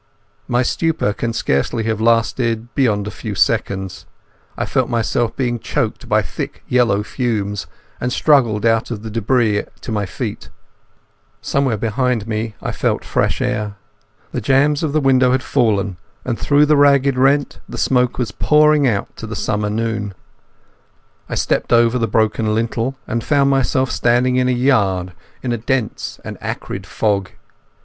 My stupor can scarcely have lasted beyond a few seconds. I felt myself being choked by thick yellow fumes, and struggled out of the debris to my feet. Somewhere behind me I felt fresh air. The jambs of the window had fallen, and through the ragged rent the smoke was pouring out to the summer noon. I stepped over the broken lintel, and found myself standing in a yard in a dense and acrid fog.